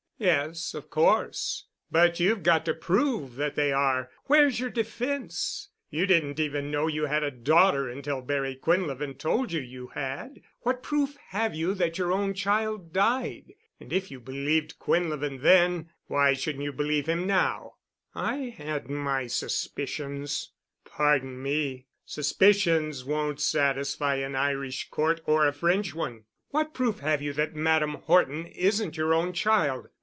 "Yes, of course. But you've got to prove that they are. Where's your defense? You didn't even know you had a daughter until Barry Quinlevin told you you had. What proof have you that your own child died? And if you believed Quinlevin then, why shouldn't you believe him now——?" "I had my suspicions——" "Pardon me. Suspicions won't satisfy an Irish court or a French one. What proof have you that Madame Horton isn't your own child?